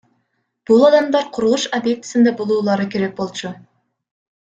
Бул адамдар курулуш объектисинде болуулары керек болчу.